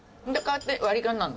割り勘なの？